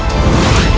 aku tidak mau